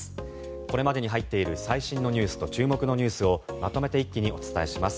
これまでに入っている最新ニュースと注目ニュースをまとめて一気にお伝えします。